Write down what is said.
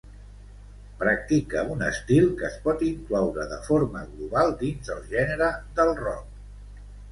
Practica un estil que es pot incloure, de forma global, dins el gènere del rock.